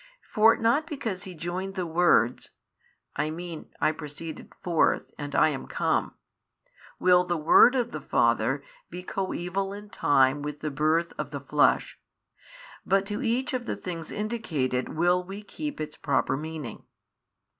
For not because He joined the words, (I mean I proceeded forth and I am come) will the Word of the Father be co eval in time with the Birth of the Flesh, but to each of the things indicated will we keep its proper meaning.